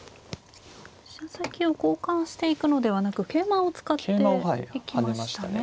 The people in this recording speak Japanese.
飛車先を交換していくのではなく桂馬を使っていきましたね。